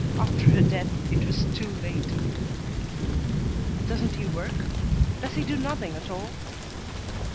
After her death it was too late." "Doesn't he work? Does he do nothing at all?"